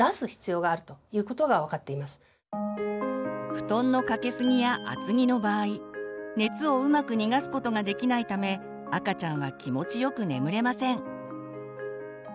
布団のかけすぎや厚着の場合熱をうまく逃がすことができないため赤ちゃんは気持ちよく眠れません。